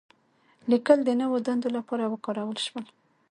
لیکل د نوو دندو لپاره وکارول شول.